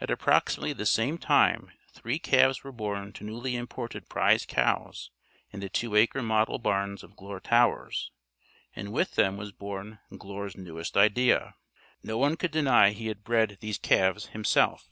At approximately the same time three calves were born to newly imported prize cows in the two acre model barns of Glure Towers, and with them was born Glure's newest idea. No one could deny he had bred these calves himself.